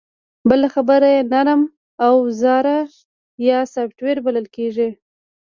بله برخه یې نرم اوزار یا سافټویر بلل کېږي